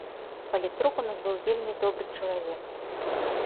Палітрук у нас быў вельмі добры чалавек.